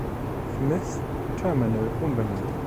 Smith Terminal umbenannt.